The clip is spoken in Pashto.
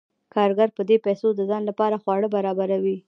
کارګر په دې پیسو د ځان لپاره خواړه برابروي